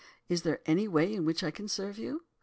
Is there any way in which I can serve you?